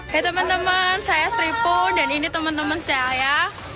hai teman teman saya sri poon dan ini teman teman saya